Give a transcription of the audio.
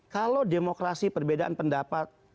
kalau demokrasi perbedaan pendapat